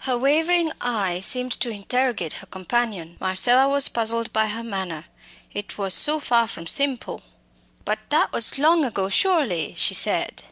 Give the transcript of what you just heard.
Her wavering eye seemed to interrogate her companion. Marcella was puzzled by her manner it was so far from simple. "But that was long ago, surely," she said.